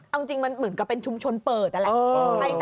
เอาจริงมันเหมือนกับเป็นชุมชนเปิดนั่นแหละ